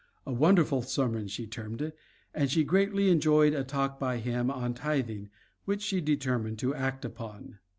"A wonderful sermon," she termed it, and she greatly enjoyed a talk by him on tithing, which she determined to act upon.